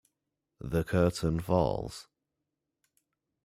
The curtain falls.